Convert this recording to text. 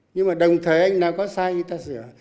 nhưng mà đồng thời anh nào có sai người ta sửa